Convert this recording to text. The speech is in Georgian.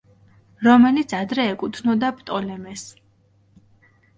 რომელიც ადრე ეკუთვნოდა პტოლემეს.